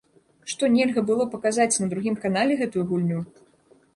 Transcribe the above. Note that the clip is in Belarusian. Што, нельга было паказаць на другім канале гэтую гульню?